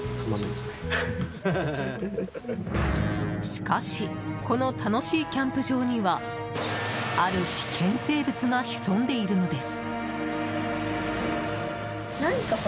しかしこの楽しいキャンプ場にはある危険生物が潜んでいるのです。